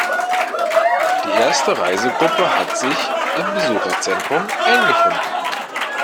Die erste Reisegruppe hat sich im Besucherzentrum eingefunden.